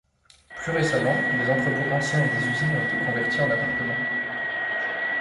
Plus récemment, des entrepôts anciens et des usines ont été convertis en appartements.